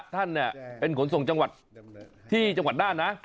ท่านเป็นขนส่งจังหวัดที่จังหวัดน่านนะ